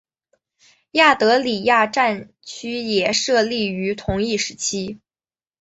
亚德里亚战区也设立于同一时期。